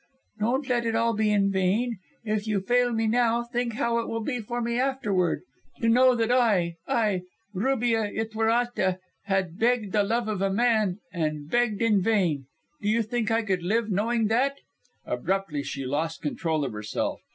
Don't let it all be in vain. If you fail me now, think how it will be for me afterward to know that I I, Rubia Ytuerate, have begged the love of a man and begged in vain. Do you think I could live knowing that?" Abruptly she lost control of herself.